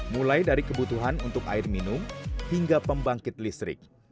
mulai dari kebutuhan untuk air minum hingga pembangkit listrik